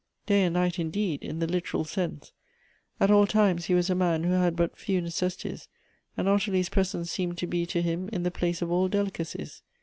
Day and night, indeed, in the literal sense. At all times he was a man who had but few necessities : and Ottilie's presence seemed to be to him in the place of all delicacies.